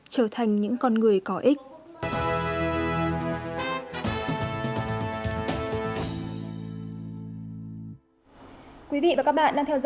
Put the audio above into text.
trở thành những con người có ích